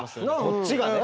こっちが。